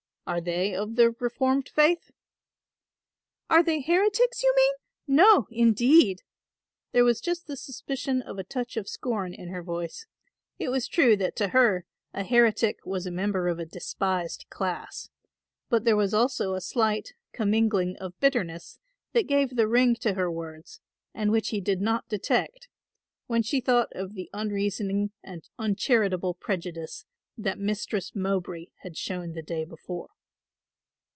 "Are they of the reformed faith?" "Are they heretics? you mean; no, indeed." There was just the suspicion of a touch of scorn in her voice; it was true that to her a heretic was a member of a despised class, but there was also a slight, commingling of bitterness that gave the ring to her words, and which he did not detect, when she thought of the unreasoning and uncharitable prejudice that Mistress Mowbray had shown the day before.